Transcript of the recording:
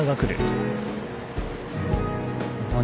何。